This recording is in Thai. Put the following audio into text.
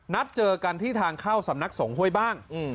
นัดเจอกันที่ทางเข้าสำนักสงฆ้วยบ้าง